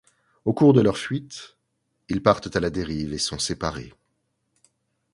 Au cours de leur fuite, ils partent à la dérive et sont séparés.